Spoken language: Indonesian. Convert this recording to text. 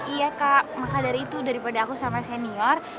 iya kak maka dari itu daripada aku sama senior